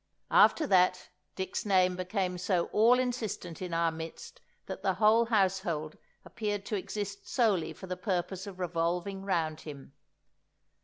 After that Dick's name became so all insistent in our midst that the whole household appeared to exist solely for the purpose of revolving round him.